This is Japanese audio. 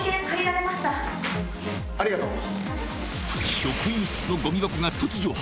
ありがとう。